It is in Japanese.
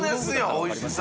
おいしさ。